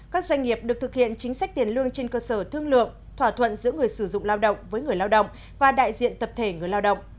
các doanh nghiệp được thực hiện chính sách tiền lương trên cơ sở thương lượng thỏa thuận giữa người sử dụng lao động với người lao động và đại diện tập thể người lao động